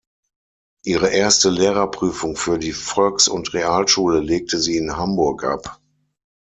Ihre erste Lehrerprüfung für die Volks- und Realschule legte sie in Hamburg ab.